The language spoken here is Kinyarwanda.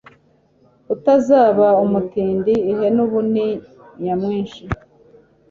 utazaba umutindi ihene ubu ni nyamwinshi